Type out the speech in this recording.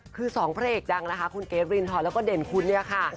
คือสองพระเอกดังนะคะคุณเกรทรินทรแล้วก็เด่นคุณเนี่ยค่ะ